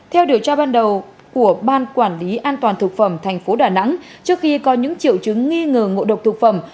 theo điều tra ban đầu của ban quản lý an toàn thực phẩm thành phố đà nẵng trước khi có những triệu chứng nghi ngờ ngộ độc thực phẩm